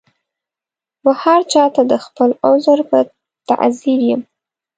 وهرچا ته د خپل عذر په تعذیر یم